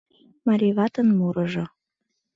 Марий ватын мурыжо